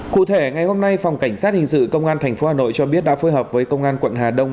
cụ thể ngày hôm nay phòng cảnh sát hình sự công an tp hà nội cho biết đã phối hợp với công an quận hà đông